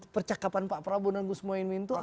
percakapan pak prabowo dan kusumo aimi itu apa